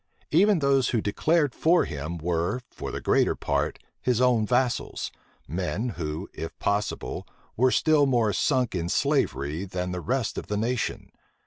Even those who declared for him, were, for the greater part, his own vassals; men who, if possible, were still more sunk in slavery than the rest of the nation.